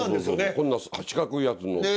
こんな四角いやつ乗って。